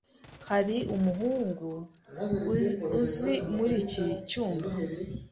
Hari umuhungu uzi muri iki cyumba?